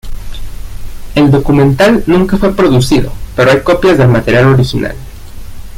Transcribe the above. El documental nunca fue producido pero hay copias del material original.